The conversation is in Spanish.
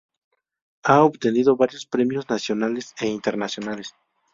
Ha obtenido varios premios nacionales e internacionales.